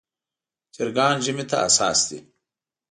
چرګان ژمي ته حساس دي.